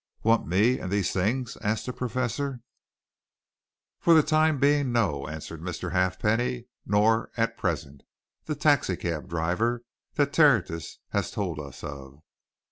"Want me and these things?" asked the Professor. "For the time being, no," answered Mr. Halfpenny. "Nor, at present, the taxi cab driver that Tertius has told us of.